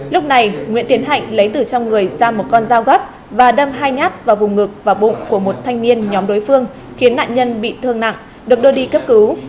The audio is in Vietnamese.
lúc này nguyễn tiến hạnh lấy từ trong người ra một con dao gấp và đâm hai nhát vào vùng ngực và bụng của một thanh niên nhóm đối phương khiến nạn nhân bị thương nặng được đưa đi cấp cứu